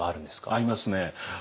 ありますね。